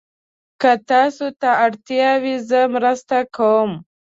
که تاسو ته اړتیا وي، زه مرسته کوم.